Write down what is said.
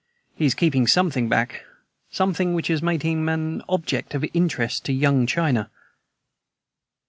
He is keeping something back something which has made him an object of interest to Young China!"